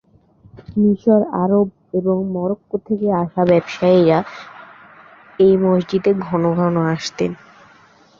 মিশর, আরব এবং মরক্কো থেকে আসা ব্যবসায়ীরা এই মসজিদে ঘন ঘন আসতেন।